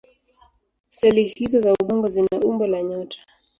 Seli hizO za ubongo zina umbo la nyota.